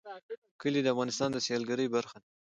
کلي د افغانستان د سیلګرۍ برخه ده.